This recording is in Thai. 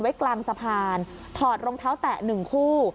ไว้กลางสะพานถอดรองเท้าแตะ๑คู่